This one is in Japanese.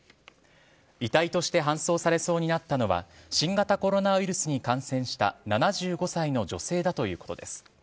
遺体として搬送されそうになったのは、新型コロナウイルスに感染した７５歳の女性だということです。